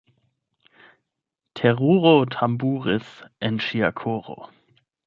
Teruro tamburis en ŝia koro.